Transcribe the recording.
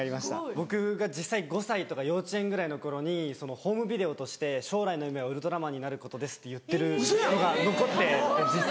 僕が実際５歳とか幼稚園ぐらいの頃にホームビデオとして「将来の夢はウルトラマンになることです」って言ってるのが残って。